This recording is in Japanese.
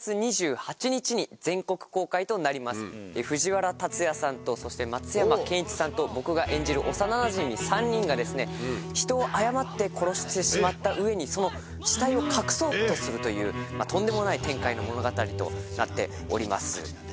藤原竜也さんとそして松山ケンイチさんと僕が演じる幼なじみ３人が人を誤って殺してしまった上にその死体を隠そうとするというとんでもない展開の物語となっております。